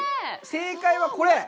正解はこれ。